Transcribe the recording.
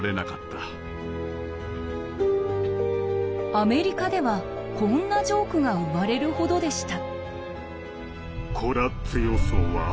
アメリカではこんなジョークが生まれるほどでした。